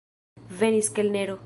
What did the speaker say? Venis kelnero.